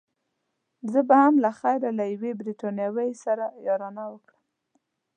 زه به هم له خیره له یوې بریتانوۍ سره یارانه وکړم.